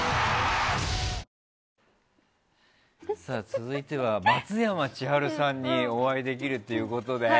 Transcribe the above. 続いては松山千春さんにお会いできるということで。